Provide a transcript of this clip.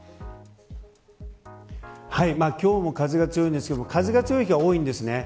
今日も風が強いんですけど風が強い日が多いですね。